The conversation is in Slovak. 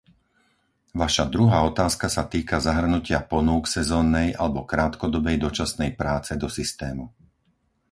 Vaša druhá otázka sa týka zahrnutia ponúk sezónnej alebo krátkodobej dočasnej práce do systému.